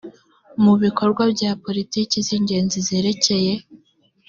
mu bikorwa rya politiki z ingenzi zerekeye